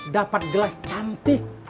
dapat gelas cantik